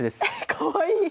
かわいい。